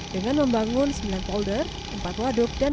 dengan membangun sembilan folder empat waduk dan peningkatan banjir